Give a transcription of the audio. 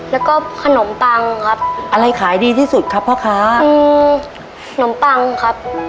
แล้วก็ขนมปังครับอะไรขายดีที่สุดครับพ่อค้าอืมขนมปังครับ